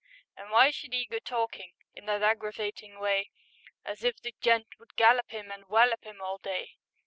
An' why should 'e go talkin' In that aggravatin' way, As if the gent would gallop 'im And wallop 'im all day?